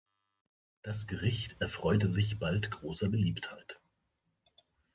Das Gericht erfreute sich bald großer Beliebtheit.